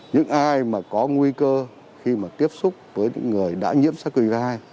những ai mà có nguy cơ khi mà tiếp xúc với những người đã nhiễm sars cov hai